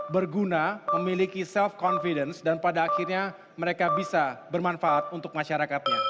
berguna memiliki self confidence dan pada akhirnya mereka bisa bermanfaat untuk masyarakatnya